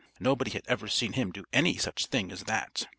Nobody had ever seen him do any such thing as that.